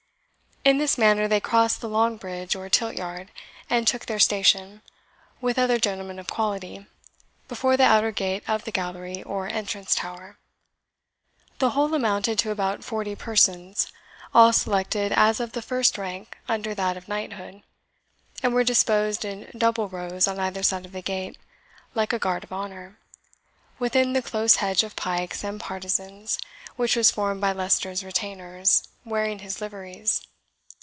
In this manner they crossed the long bridge, or tilt yard, and took their station, with other gentlemen of quality, before the outer gate of the Gallery, or Entrance tower. The whole amounted to about forty persons, all selected as of the first rank under that of knighthood, and were disposed in double rows on either side of the gate, like a guard of honour, within the close hedge of pikes and partisans which was formed by Leicester's retainers, wearing his liveries.